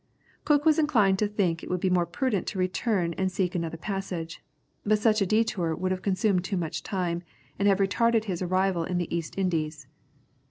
Cook was inclined to think it would be more prudent to return and seek another passage. But such a détour would have consumed too much time, and have retarded his arrival in the East Indies.